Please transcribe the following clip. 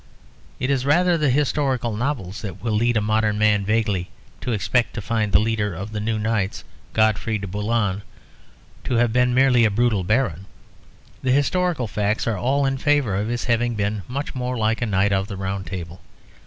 It is rather the historical novels that will lead a modern man vaguely to expect to find the leader of the new knights, Godfrey de Bouillon, to have been merely a brutal baron. The historical facts are all in favour of his having been much more like a knight of the Round Table.